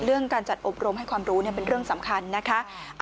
การจัดอบรมให้ความรู้เป็นเรื่องสำคัญนะคะ